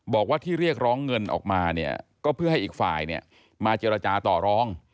บอกว่าที่เรียกร้องเงินออกมาเนี่ยก็เพื่อให้อีกฝ่ายเนี่ยมาเจรจาต่อรอง